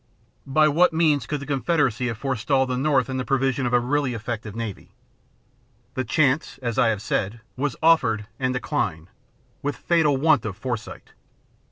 By what means could the Confederacy have forestalled the North in the provision of a really effective navy? The chance, as I have said, was offered, and declined, with fatal want of foresight.